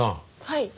はい。